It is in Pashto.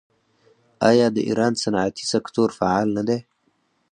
آیا د ایران صنعتي سکتور فعال نه دی؟